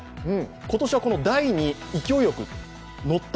今年はこの台に勢いよく乗った。